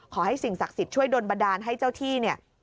สิ่งศักดิ์สิทธิ์ช่วยดนบันดาลให้เจ้าที่เนี่ย